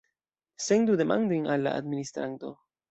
Sendu demandojn al la administranto.